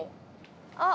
あっ。